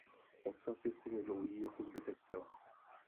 Ocas je stejně dlouhý jako zbytek těla.